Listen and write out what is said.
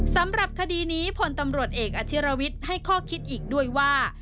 สำหรับคดีนี้พลตำรวจเอกอาชิรวิทย์ให้ข้อคิดอีกด้วยว่า